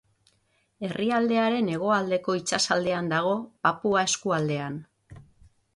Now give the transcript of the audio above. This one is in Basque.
Herrialdearen hegoaldeko itsasaldean dago, Papua eskualdean.